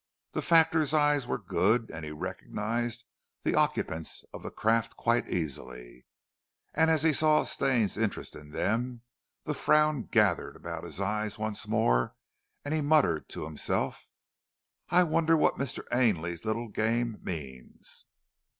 The factor's eyes were good and he recognized the occupants of the craft quite easily, and as he saw Stane's interest in them, the frown gathered about his eyes once more, and he muttered to himself: "I wonder what Mr. Ainley's little game means?"